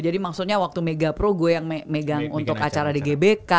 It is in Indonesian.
jadi maksudnya waktu mega pro gue yang megang untuk acara di gbk